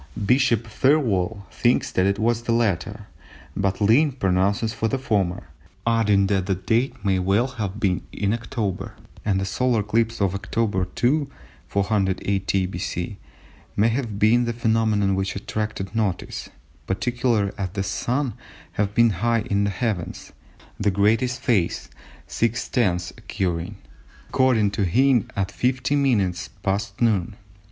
Bishop Thirlwall thinks that it was the latter, but Lynn pronounces for the former, adding that the date may well have been in October, and the solar eclipse of October 2, 480 B.C. may have been the phenomenon which attracted notice, particularly as the Sun would have been high in the heavens, the greatest phase (6/10ths) occurring, according to Hind, at 50 minutes past noon.